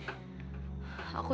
aku jugenggatau kak